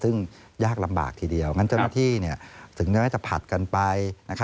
ซึ่งยากลำบากทีเดียวงั้นเจ้าหน้าที่ถึงแม้จะผลัดกันไป